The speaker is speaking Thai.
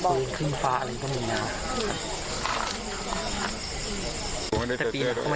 โกงข้างในอะ